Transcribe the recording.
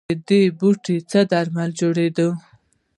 د بوټو څخه درمل جوړیدل